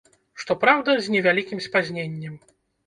Што праўда, з невялікім спазненнем.